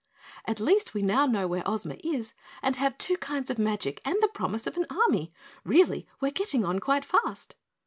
"At least we now know where Ozma is and have two kinds of magic and the promise of an army. Really we're getting on quite fast."